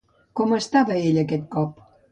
Com estava ell aquest cop?